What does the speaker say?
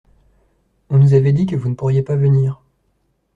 On nous avait dit que vous ne pourriez pas venir.